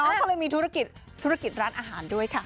เขาก็เลยมีธุรกิจธุรกิจร้านอาหารด้วยค่ะ